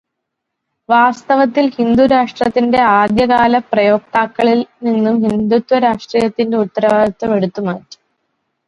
വാസ്തവത്തില് ഹിന്ദുരാഷ്ട്രത്തിന്റെ ആദ്യകാലപ്രയോക്താക്കളില് നിന്നും ഹിന്ദുത്വരാഷ്ട്രീയത്തിന്റെ ഉത്തരവാദിത്വം എടുത്തു മാറ്റി